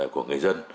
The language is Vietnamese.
của người dân